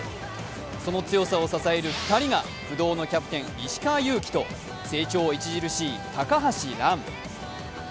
その強さを支える２人が不動のキャプテン・石川祐希と成長著しい高橋藍。